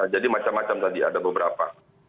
jadi macam macam tadi ada beberapa